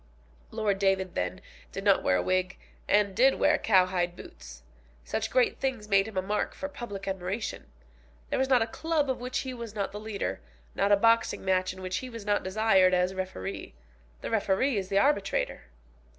Lord David, then, did not wear a wig, and did wear cowhide boots. Such great things made him a mark for public admiration. There was not a club of which he was not the leader, not a boxing match in which he was not desired as referee. The referee is the arbitrator.